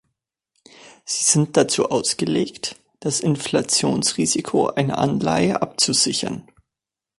Sie sind dazu ausgelegt, das Inflationsrisiko einer Anleihe abzusichern.